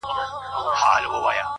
له ازله د خپل ځان په وینو رنګ یو!